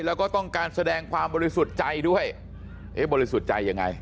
แล้วก็ต้องการแสดงความบริสุทธิ์ใจด้วยเอ๊ะบริสุทธิ์ใจยังไง